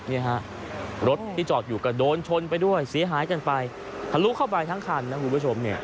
เนี่ยฮะรถที่จอดอยู่ก็โดนชนไปด้วยเสียหายกันไปทะลุเข้าไปทั้งคันนะคุณผู้ชมเนี่ย